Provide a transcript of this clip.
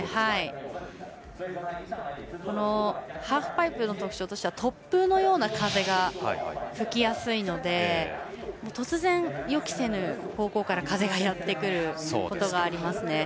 ハーフパイプの特徴としては突風のような風が吹きやすいので突然、予期せぬ方向から風がやってくることがあります。